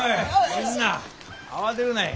みんな慌てるない。